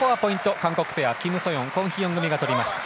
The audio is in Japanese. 韓国ペアキム・ソヨン、コン・ヒヨン組が取りました。